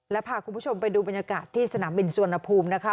และพาคุณผู้ชมไปดูบรรยากาศที่สนามบินสุวรรณภูมินะคะ